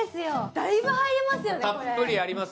だいぶ入りますよね、これ。